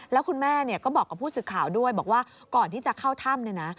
แล้วคุณแม่ก็บอกกับผู้สื่อข่าวด้วยบอกว่าก่อนที่จะเข้าถ้ำเนี่ยนะ